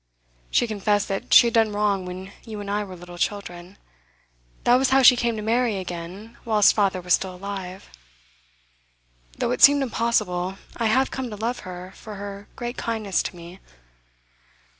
She confessed that she had done wrong when you and I were little children; that was how she came to marry again whilst father was still alive. Though it seemed impossible, I have come to love her for her great kindness to me.